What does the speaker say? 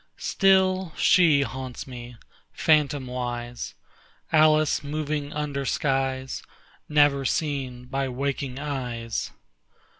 Still she haunts me, phantomwise, Alice moving under skies Never seen by waking eyes.